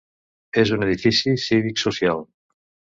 És un edifici cívic social.